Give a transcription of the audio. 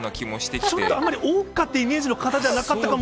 ちょっとあんまりおう歌っていうイメージの方じゃなかったかも。